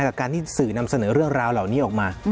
กลับการเส้นสื่อเรื่องราวแล้วออกมา